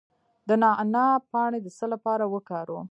د نعناع پاڼې د څه لپاره وکاروم؟